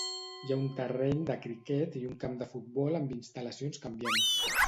Hi ha un terreny de criquet i un camp de futbol amb instal·lacions canviants.